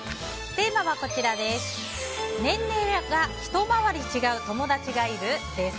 テーマは年齢が一回り違う友達がいる？です。